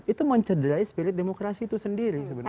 itu mencederai spirit demokrasi itu sendiri sebenarnya